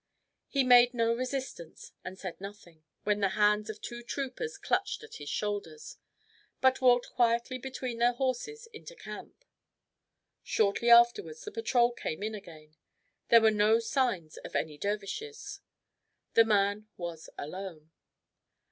He made no resistance, and said nothing when the hands of two troopers clutched at his shoulders, but walked quietly between their horses into camp. Shortly afterwards the patrol came in again. There were no signs of any dervishes. The man was alone.